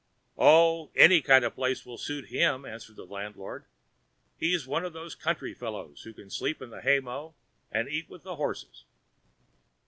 "Oh, any kind of a place will suit him," answered the landlord. "He's one of those country fellows who can sleep in the haymow and eat with the horses."